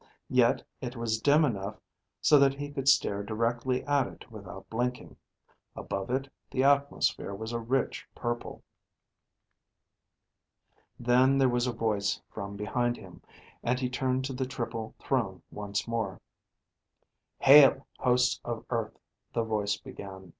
Yet it was dim enough so that he could stare directly at it without blinking. Above it, the atmosphere was a rich purple. Then there was a voice from behind him, and he turned to the triple throne once more. "Hail, hosts of Earth," the voice began.